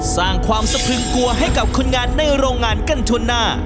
สร้างความสะพรึงกลัวให้กับคนงานในโรงงานกันทั่วหน้า